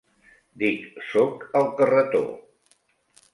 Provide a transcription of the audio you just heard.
Dic, sóc al carretó.